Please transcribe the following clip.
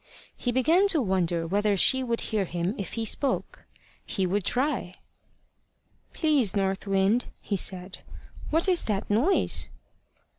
He began to wonder whether she would hear him if he spoke. He would try. "Please, North Wind," he said, "what is that noise?"